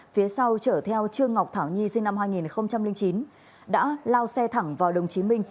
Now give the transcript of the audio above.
phía sau chở theo trương ngọc thảo nhi sinh năm hai nghìn chín đã lao xe thẳng vào đồng chí minh